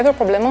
udah dong dah